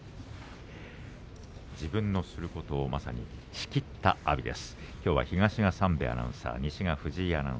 自分のすることをまさに、しきった阿炎です。